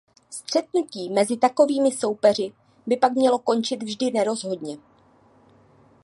Střetnutí mezi takovými soupeři by pak mělo končit vždy nerozhodně.